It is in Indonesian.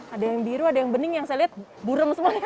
ada yang biru ada yang bening yang saya lihat burem semua